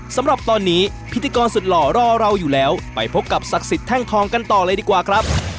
สำหรับตอนนี้พิธีกรสุดหล่อรอเราอยู่แล้วไปพบกับศักดิ์สิทธิแท่งทองกันต่อเลยดีกว่าครับ